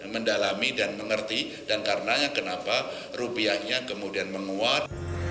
mendalami dan mengerti dan karenanya kenapa rupiahnya kemudian menguat